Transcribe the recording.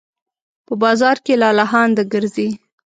په بازار کې لالهانده ګرځي